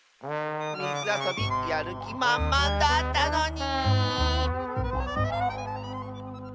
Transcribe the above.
みずあそびやるきまんまんだったのに！